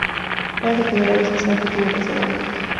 Era la primera vez que se repetía una sede Olímpica.